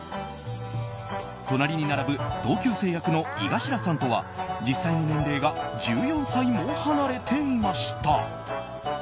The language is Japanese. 隣に並ぶ同級生役の井頭さんとは実際の年齢が１４歳も離れていました。